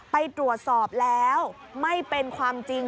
ไปตรวจสอบแล้วไม่เป็นความจริง